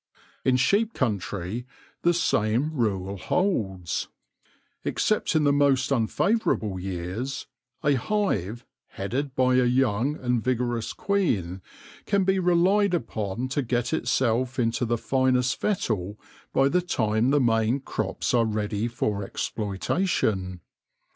In sheep country the same rule holds. Except in the most unfavourable years, a hive, headed by a young and vigorous queen, can be relied upon to get itself into the finest fettle by the time the main crops are ready for exploitation.